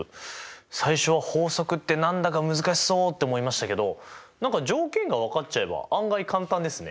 最初は法則って何だか難しそうって思いましたけど何か条件が分かっちゃえば案外簡単ですね。